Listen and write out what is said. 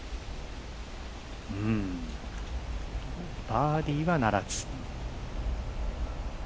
バーディーはならず。